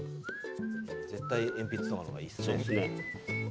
絶対、鉛筆の方がいいですよね。